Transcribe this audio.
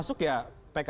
kalau kemudian masuk ya